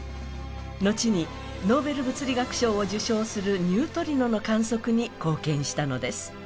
後にノーベル物理学賞を受賞するニュートリノの観測に貢献したのです。